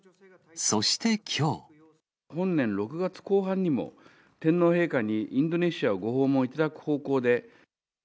本年６月後半にも、天皇陛下にインドネシアをご訪問いただく方向で。